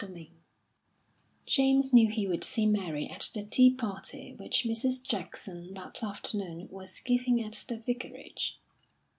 VIII James knew he would see Mary at the tea party which Mrs. Jackson that afternoon was giving at the Vicarage.